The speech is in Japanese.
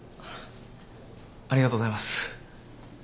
ありがとうございますはい。